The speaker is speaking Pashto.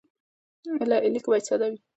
لیک باید ساده وي.